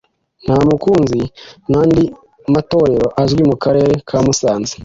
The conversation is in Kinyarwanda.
Ntamukunzi n’andi matorero azwi mu Karere ka Musanze